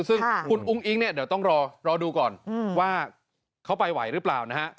ซึ่งคุณอุ้งอิ๊งเนี่ยเดี๋ยวต้องรอดูก่อนว่าเขาไปไหวหรือเปล่านะฮะ